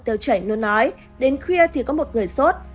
tiêu chảy nôn nói đến khuya thì có một người sốt